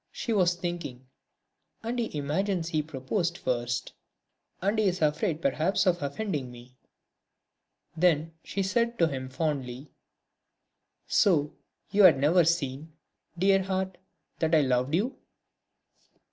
She was thinking: "And he imagines he proposed first!... and he is afraid perhaps of offending me!..." Then she said to him fondly: "So you had never seen, dear heart, that I loved you?"